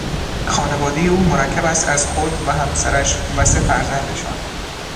خانوادهی او مرکب است از خود و همسرش و سه فرزندشان